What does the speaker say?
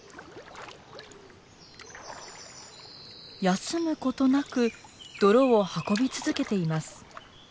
休むことなく泥を運び続けています。